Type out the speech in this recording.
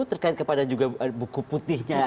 terkait kepada buku putihnya